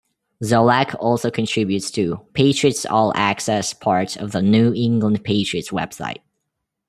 Zolak also contributes to "Patriots All Access", part of the New England Patriots' website.